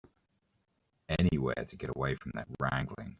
Anywhere to get away from that wrangling.